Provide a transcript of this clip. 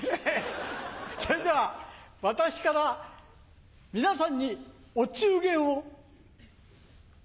それでは私から皆さんにお中元を。